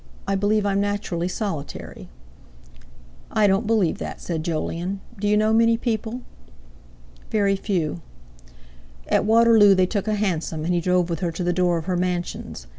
I believe I'm naturally solitary." "I don't believe that," said Jolyon. "Do you know many people?" "Very few." At Waterloo they took a hansom, and he drove with her to the door of her mansions.